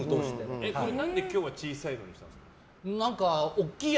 何で今日は小さいのにしたんですか。